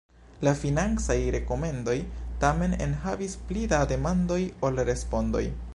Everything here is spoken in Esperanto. La financaj rekomendoj tamen enhavis pli da demandoj ol respondoj.